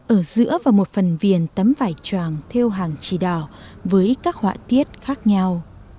ở giữa và một phần viền tấm vải choàng theo hàng chì đỏ với các họa tiết khác nhau